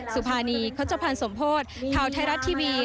สุภานีข้าวเจ้าพันธ์สมโพธิ์ท้าวไทยรัฐทีวี